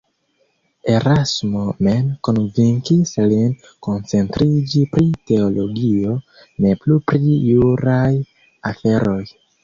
Erasmo mem konvinkis lin koncentriĝi pri teologio, ne plu pri juraj aferoj.